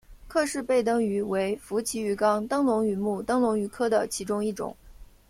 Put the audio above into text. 克氏背灯鱼为辐鳍鱼纲灯笼鱼目灯笼鱼科的其中一种。